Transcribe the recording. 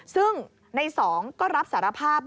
ซึ่งในสองก็รับสารภาพ